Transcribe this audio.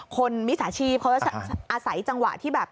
คนมิตรชาชีพเขาจะอาศัยจังหวะที่แบบ